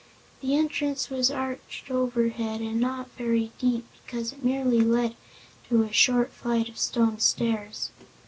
This entrance was arched overhead and not very deep because it merely led to a short flight of stone stairs.